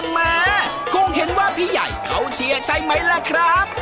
แม้คงเห็นว่าพี่ใหญ่เขาเชียร์ใช่ไหมล่ะครับ